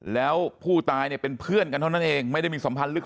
แล้วผู้ตายเนี่ยเป็นเพื่อนกันเท่านั้นเองไม่ได้มีสัมพันธ์ลึก